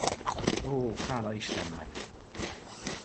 Ó, hála istennek!